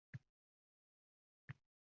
Jang maydonlarida mardlarcha kurashgan